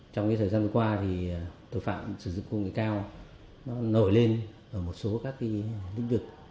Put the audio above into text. trong thời gian qua thì tội phạm sử dụng công nghệ cao nổi lên ở một số các lĩnh vực